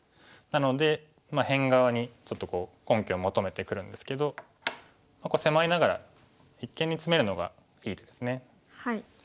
なので辺側にちょっと根拠を求めてくるんですけど狭いながら一間にツメるのがいい手ですね。